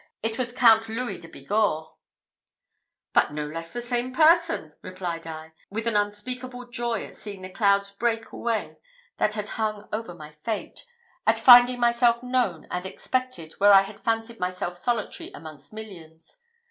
it was Count Louis de Bigorre." "But no less the same person," replied I, with an unspeakable joy at seeing the clouds break away that had hung over my fate at finding myself known and expected where I had fancied myself solitary amongst millions.